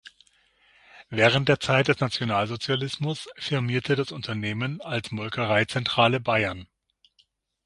Während der Zeit des Nationalsozialismus firmierte das Unternehmen als „Molkerei-Zentrale Bayern“.